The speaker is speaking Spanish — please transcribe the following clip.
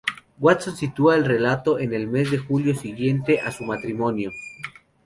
Watson sitúa el relato en el mes de julio siguiente a su matrimonio.